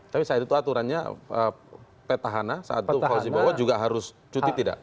tapi saya dutuh aturannya petahanan saat itu fauzi bawa juga harus cuti tidak